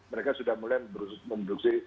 mereka sudah mulai memproduksi